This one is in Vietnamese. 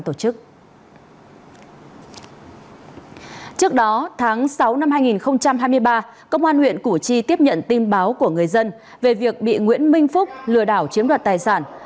trước đó tháng sáu năm hai nghìn hai mươi ba công an huyện củ chi tiếp nhận tin báo của người dân về việc bị nguyễn minh phúc lừa đảo chiếm đoạt tài sản